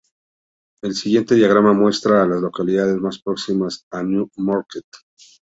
El siguiente diagrama muestra a las localidades más próximas a New Market.